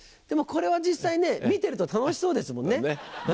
でもこれは実際ね見てると楽しそうですもんね。